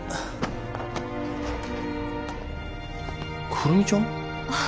久留美ちゃん。